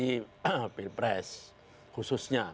kompetisi pilpres khususnya